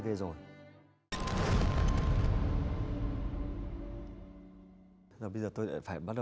rồi bây giờ tôi phải bắt đầu hồi hộp tiếp đến cháu